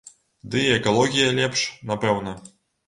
Ды і экалогія лепш, напэўна.